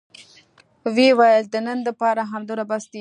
ويې ويل د نن دپاره همدومره بس دى.